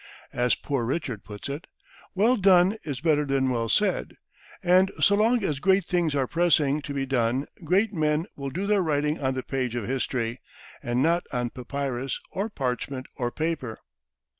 As Poor Richard put it, "Well done is better than well said," and so long as great things are pressing to be done, great men will do their writing on the page of history, and not on papyrus, or parchment, or paper.